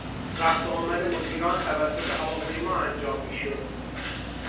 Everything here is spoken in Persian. رفت و آمد مدیران توسط هواپیما انجام میشد.